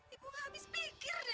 ibu gak habis pikir deh